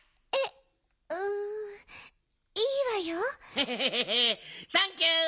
ヘヘヘヘヘヘサンキュー！